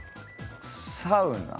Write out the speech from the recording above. サウナ。